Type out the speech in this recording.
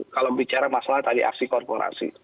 kalau bicara masalah tadi aksi korporasi